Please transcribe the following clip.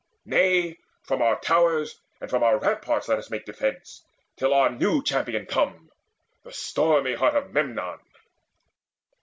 Nay, from our towers And from our ramparts let us make defence, Till our new champion come, the stormy heart Of Memnon.